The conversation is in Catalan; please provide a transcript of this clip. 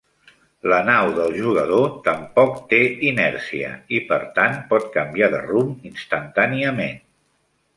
La nau del jugador tampoc té inèrcia i per tant pot canviar de rumb instantàniament.